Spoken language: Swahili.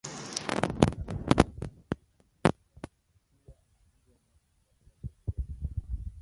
Kabla ya msichana kuondoka nyumbani kwao huwa anafungwa nyasi katika viatu vyake